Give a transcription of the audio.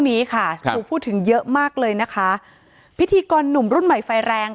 นี้ค่ะถูกพูดถึงเยอะมากเลยนะคะพิธีกรหนุ่มรุ่นใหม่ไฟแรง